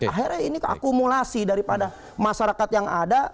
akhirnya ini akumulasi daripada masyarakat yang ada